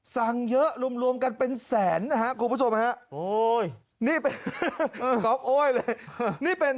สั่งเยอะรวมรวมกันเป็นแสนนะฮะคุณผู้ชมฮะโอ้ยนี่เป็นโอ้ยเลยนี่เป็น